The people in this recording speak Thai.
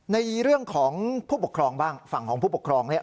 ในเรื่องของผู้ปกครองบ้างฝั่งของผู้ปกครองเนี่ย